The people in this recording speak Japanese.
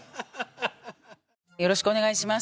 よろしくお願いします。